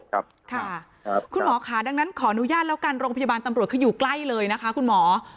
คุณหมอค่ะดังนั้นขออนุญาตแล้วกันโรงพยาบาลตำรวจคืออยู่ใกล้เลยนะคะคุณหมอ